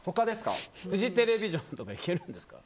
フジテレビジョンとかいけるんですか？